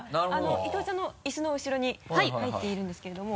伊藤ちゃんのイスの後ろに入っているんですけれども。